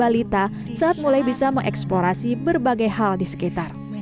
yakni sejak usia balita saat mulai bisa mengeksplorasi berbagai hal di sekitar